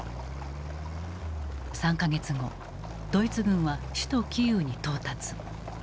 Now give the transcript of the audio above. ３か月後ドイツ軍は首都キーウに到達。